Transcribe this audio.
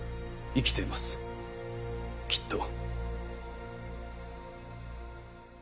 生きていますきっと。